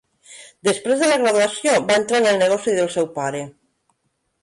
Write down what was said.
Després de la graduació, va entrar en el negoci del seu pare.